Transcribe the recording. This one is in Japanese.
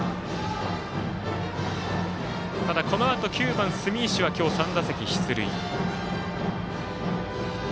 ただ、このあと９番、住石は今日３打席出塁。